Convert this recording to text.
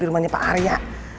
di rumahnya pak arya